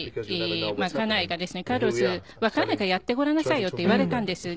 「カルロスわからないからやってごらんなさいよ」って言われたんです。